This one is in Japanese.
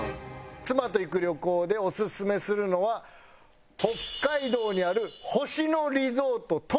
妻と行く旅行でオススメするのは北海道にある星野リゾートトマムの旅です。